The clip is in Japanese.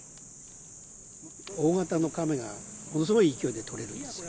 大型のカメが、ものすごい勢いで取れるんですよ。